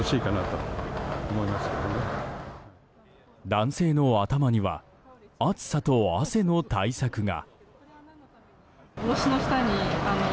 男性の頭には暑さと汗の対策が。